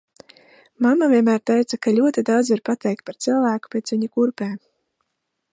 Mamma vienmēr teica, ka ļoti daudz var pateikt par cilvēku pēc viņa kurpēm.